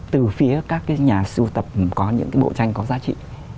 từ phía các cái nhà siêu tập có những cái bộ tranh có giá trị